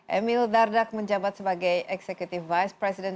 emil dardak menjabat sebagai executive vice president